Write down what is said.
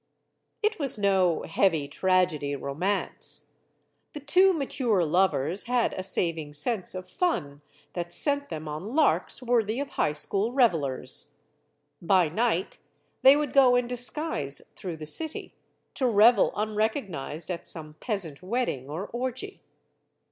It was no heavy tragedy romance. The two mature lovers had a saving sense of fun that sent them on larks worthy of high school revelers. By night, they would go in disguise through the city, to revel unrecognized at some peasant wedding or orgy.